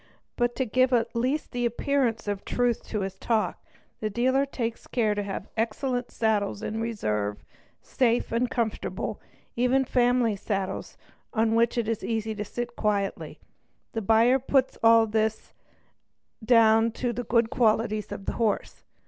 But, to give at least the appearance of truth to his talk, the dealer takes care to have excellent saddles in reserve, safe and comfortable, even family saddles on which it is easy to sit quietly. The buyer puts all this down to the good qualities of the horse.